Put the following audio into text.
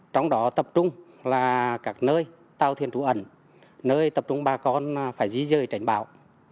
trong đó tập trung là các nơi tàu thiên trú ẩn nơi tập trung bà con phải dí dơi tránh bão